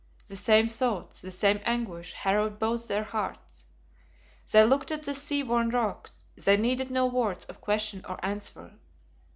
The same thoughts, the same anguish harrowed both their hearts. They looked at the sea worn rocks; they needed no words of question or answer.